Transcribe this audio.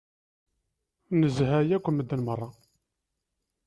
Nezha yakk medden merra